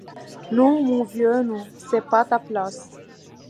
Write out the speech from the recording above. Non, mon vieux, non, c’est pas ta place.